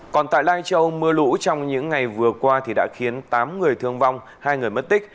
còn tại lai châu mưa lũ trong những ngày vừa qua thì đã khiến tám người thương vong hai người mất tích